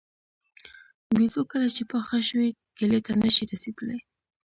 بېزو کله چې پاخه شوي کیلې ته نه شي رسېدلی.